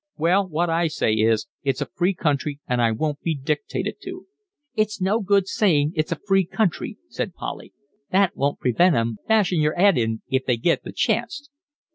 "Well, what I say is, it's a free country, and I won't be dictated to." "It's no good saying it's a free country," said Polly, "that won't prevent 'em bashin' your 'ead in if they get the chanst."